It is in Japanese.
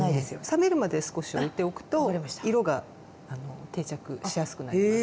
冷めるまで少しおいておくと色が定着しやすくなります。